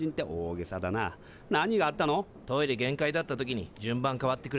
トイレ限界だった時に順番変わってくれた。